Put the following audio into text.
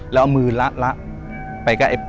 แล้วเอามือละไปกับ